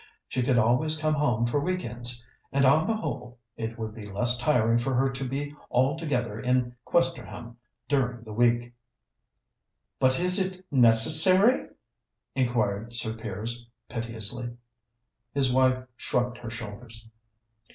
She could always come home for week ends, and on the whole it would be less tiring for her to be altogether in Questerham during the week." "But is it necessary?" inquired Sir Piers piteously. His wife shrugged her shoulders.